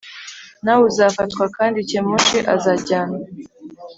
nawe uzafatwa kandi Kemoshi azajyanwa